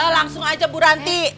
langsung aja bu ranti